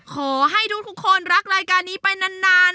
ขอให้ทุกคนรักรายการนี้ไปนาน